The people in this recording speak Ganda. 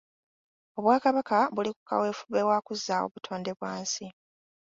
Obwakabaka buli ku kaweefube wa kuzzaawo butonde bwa nsi.